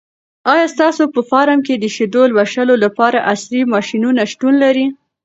آیا ستاسو په فارم کې د شیدو لوشلو لپاره عصري ماشینونه شتون لري؟